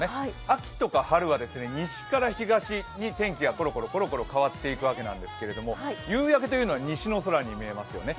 秋とか春は西から東に天気がコロコロコロコロ変わっていくわけなんですが夕焼けというのは西の空に見えますよね。